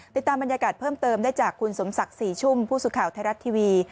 ติดตามบรรยากาศเพิ่มเติมได้จากคุณสมศักดิ์ศรีชุ่มผู้สื่อข่าวไทยรัฐทีวี